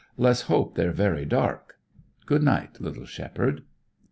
Let's hope they're very dark. Good night, little shepherd!"